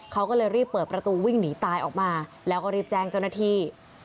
เขาก็เลยรีบเปิดประตูวิ่งหนีตายออกมาแล้วก็รีบแจ้งเจ้าหน้าที่